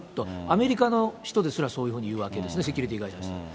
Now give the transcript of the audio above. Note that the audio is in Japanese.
アメリカの人ですら、そういうふうに言うわけですね、セキュリティー会社の人が。